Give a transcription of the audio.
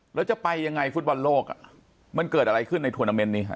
แล้วจะไปยังไงฟุตบอลโลกมันเกิดอะไรขึ้นในทวนาเมนต์นี้ฮะ